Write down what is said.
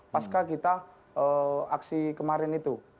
pasca kita aksi kemarin itu